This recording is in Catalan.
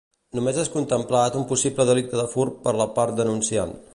Només és contemplat un possible delicte de furt per la part denunciant.